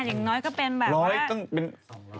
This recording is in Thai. เอาหน้าอย่างน้อยก็เป็นแบบว่า